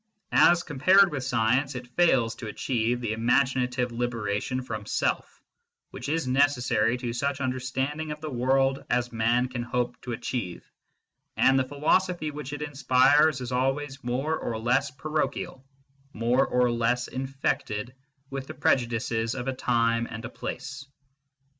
As compared with science, it fails to achieve the imaginative liberation from self which is necessary to such understanding of the world as man can hope to achieve, and the philosophy which it inspires is always more or less parochial, more or less infected with the prejudices of a time and a place.